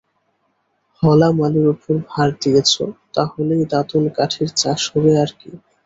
হলা মালীর উপর ভার দিয়েছ, তা হলেই দাঁতন কাঠির চাষ হবে আর কী।